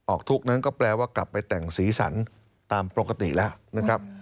ทุกข์นั้นก็แปลว่ากลับไปแต่งสีสันตามปกติแล้วนะครับ